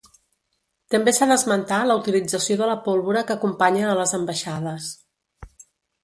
També s'ha d'esmentar la utilització de la pólvora que acompanya a les ambaixades.